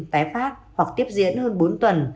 tái phát hoặc tiếp diễn hơn bốn tuần